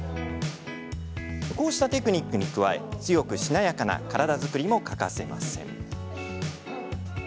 こうしたテクニックに加え強くしなやかな体作りも欠かせません。